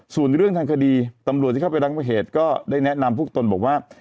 ส่วนเรื่องทางคดีตำรวจที่เข้าไปรับเหตุก็ได้แนะนำพวกตนบอกว่า